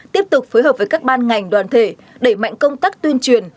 tiếp tục phối hợp với các ban ngành đoàn thể đẩy mạnh công tác tuyên truyền